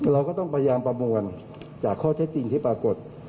เราก็ต้องพยายามประมวลจากข้อเท็จจริงที่ปรากฏ